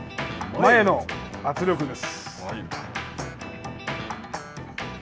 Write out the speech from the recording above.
前への圧力です。